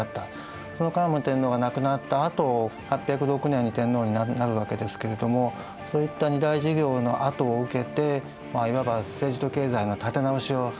その桓武天皇が亡くなったあと８０６年に天皇になるわけですけれどもそういった二大事業のあとを受けていわば政治と経済の立て直しを図る。